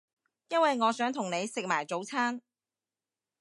因為我想同你食埋早餐